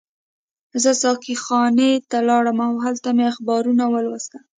زه ساقي خانې ته لاړم او هلته مې اخبارونه ولوستل.